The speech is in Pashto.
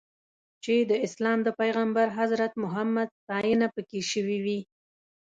چې د اسلام د پیغمبر حضرت محمد ستاینه پکې شوې وي.